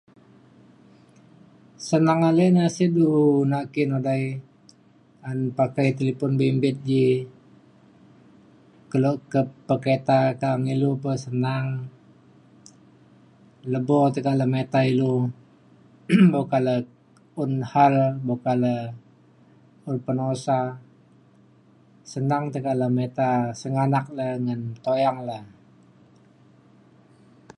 senang ale na sik du naki ne odai an pakai talipon bimbit ji kelo ka peketa ta’ang ilu pa senang lebo tekak le mita ilu boka le un hal boka le un penusa senang tekak le mita sengganak le ngan tuyang le